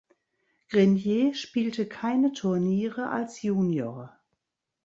Grenier spielte keine Turniere als Junior.